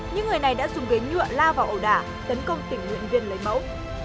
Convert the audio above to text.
những người này đã dùng ghế nhựa la vào ổ đả tấn công tỉnh nguyện viên lấy mẫu